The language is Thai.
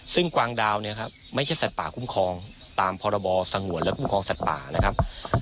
ซึ่งกวางดาวเนี่ยครับไม่ใช่สัตว์ป่าคุ้มครองตามพรบสงวนและคุ้มครองสัตว์ป่านะครับ